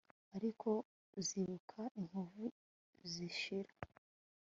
ariko uzibuka inkovu zishira